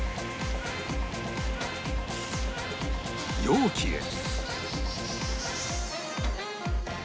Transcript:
容器へ